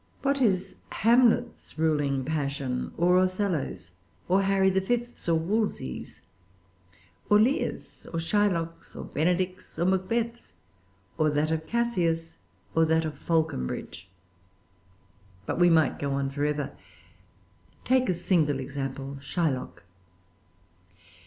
What is Hamlet's ruling passion? Or Othello's? Or Harry the Fifth's? Or Wolsey's? Or[Pg 383] Lear's? Or Shylock's? Or Benedick's? Or Macbeth's? Or that of Cassius? Or that of Falconbridge? But we might go on forever. Take a single example, Shylock.